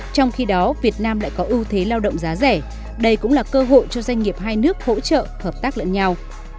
trong khi đó việt nam lại có ưu thế lao động giá rẻ đây cũng là cơ hội cho doanh nghiệp hai nước hỗ trợ hợp tác lẫn nhau